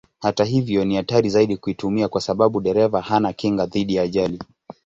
Hata hivyo ni hatari zaidi kuitumia kwa sababu dereva hana kinga dhidi ya ajali.